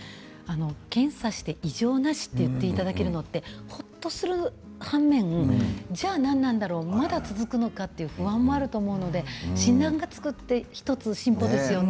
検査して異常なしって言っていただけるのってホッとする反面じゃあ何なんだろうまだ続くのかという不安もあると思うので診断がつくって一つ進歩ですよね。